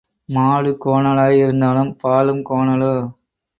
மாடு கோணலாய் இருந்தாலும் பாலும் கோணலோ?